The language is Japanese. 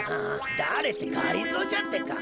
だれってがりぞーじゃってか。